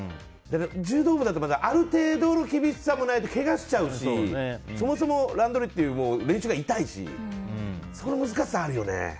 柔道部だとある程度の厳しさもないとけがをしちゃうしそもそも乱取りという練習が痛いしその難しさはあるよね。